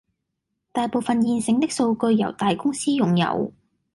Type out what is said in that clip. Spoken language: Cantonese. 大部分現成的數據由大公司擁有